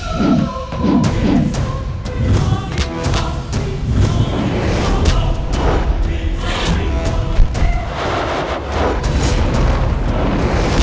aku tidak akan pernah mundur sebelum aku menggulingkan prabu siliwangi beserta keturunannya